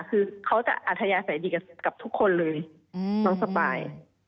คือเขาจะอัธยาศัยดีกับทุกคนเลยน้องสปาย